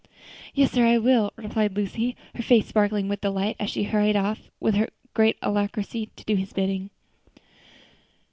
"Yes, sir, I will," replied Lucy, her face sparkling with delight as she hurried off with great alacrity to do his bidding.